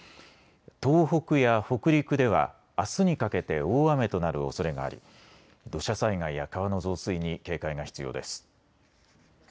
東北や北陸では、あすにかけて大雨となるおそれがあり土砂災害や川の増水に警戒が必要です。